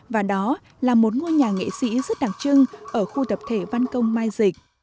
và đó là một ngôi nhà nghệ sĩ rất đặc trưng ở khu tập thể văn công mai dịch